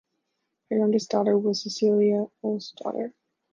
Her youngest daughter was Cecilia Ulvsdotter.